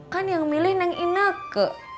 kan yang milih neng inek ke